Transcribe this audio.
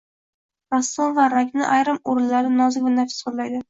Rassom bu rangni ayrim o‘rinlarda nozik va nafis qo‘llaydi.